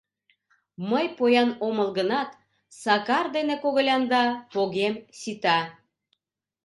Мый поян омыл гынат, Сакар дене когылянда погем сита...